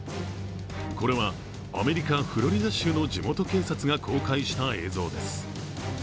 これは、アメリカ・フロリダ州の地元警察が公開した映像です。